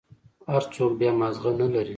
هر سوک بيا مازغه نلري.